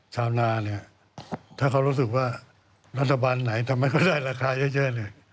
ชาวนาเนี่ยถ้าเขารู้สึกว่ารัฐบาลไหนทำให้เขาได้ราคาเยอะเนี่ย